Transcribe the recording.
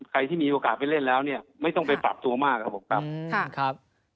ใครที่มีโอกาสไปเล่นแล้วเนี่ยไม่ต้องไปปรับตัวมากครับผมครับ